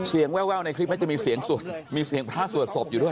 เสียงแววในคลิปมันจะมีเสียงพระสวดศพอยู่ด้วย